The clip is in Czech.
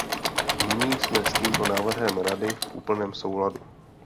Nyní jsme s tímto návrhem Rady v úplném souladu.